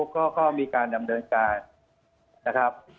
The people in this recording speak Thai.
ก็มีการดำเนินการนะครับ